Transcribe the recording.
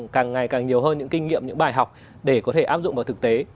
càng ngày càng nhiều hơn những kinh nghiệm những bài học để có thể áp dụng vào thực tế